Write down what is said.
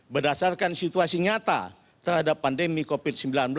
berdasarkan situasi nyata terhadap pandemi covid sembilan belas